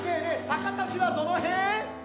酒田市はどの辺？